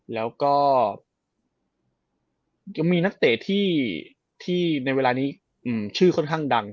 แล้วก็ยังมีนักเตะที่ในเวลานี้ชื่อค่อนข้างดัง